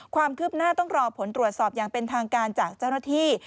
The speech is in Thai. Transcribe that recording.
ความคืบหน้าต้องรอผลตรวจสอบอย่างเป็นทางการจากเจ้าหน้าที่